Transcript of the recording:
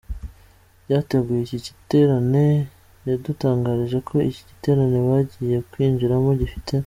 ryateguye iki giterane, yadutangarije ko iki giterane bagiye kwinjiramo gifite